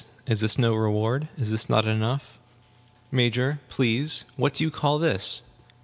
Is this no reward? Is this not enough? Major, if you please, what do you call this?